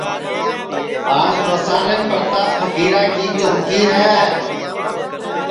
آج نوساریم پرتاپ پھکیرا کی چونٚکی ہے